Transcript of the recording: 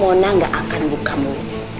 mona gak akan buka mulut